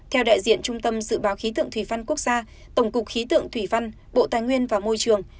theo đại diện trung tâm dự báo khí tượng thủy văn quốc gia tổng cục khí tượng thủy văn bộ tài nguyên và môi trường